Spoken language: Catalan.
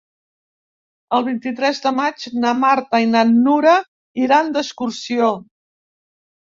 El vint-i-tres de maig na Marta i na Nura iran d'excursió.